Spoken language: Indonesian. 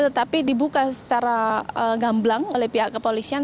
tetapi dibuka secara gamblang oleh pihak kepolisian